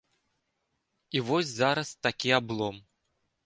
І вось зараз такі аблом.